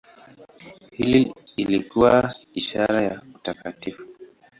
Hii ilikuwa ishara ya utakatifu.